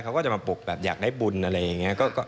เขาก็จะมาปลุกแบบอยากได้บุญอะไรอย่างนี้